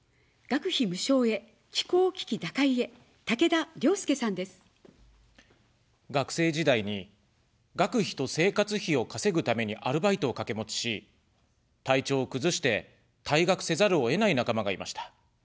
学生時代に、学費と生活費を稼ぐためにアルバイトをかけ持ちし、体調を崩して、退学せざるを得ない仲間がいました。